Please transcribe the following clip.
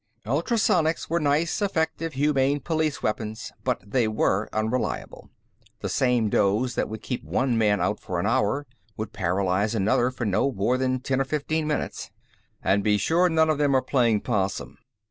Ultrasonics were nice, effective, humane police weapons, but they were unreliable. The same dose that would keep one man out for an hour would paralyze another for no more than ten or fifteen minutes. "And be sure none of them are playing 'possum."